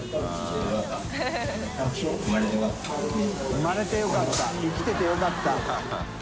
生まれて良かった生きてて良かった。